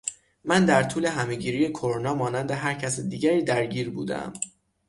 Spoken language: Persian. من در طول همهگیری کرونا مانند هر کس دیگری درگیر بودهام